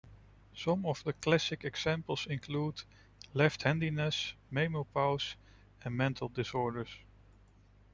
Some of the classic examples include: left handedness, menopause, and mental disorders.